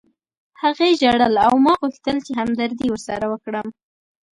هغې ژړل او ما غوښتل چې همدردي ورسره وکړم